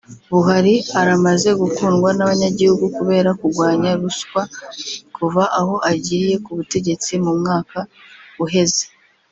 Buhari aramaze gukundwa n'abanyagihugu kubera kugwanya ruswa kuva aho agiriye ku butegetsi mu mwaka uheze